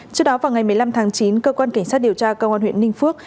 trước đó vào ngày một mươi năm tháng chín cơ quan cảnh sát điều tra công an huyện ninh phước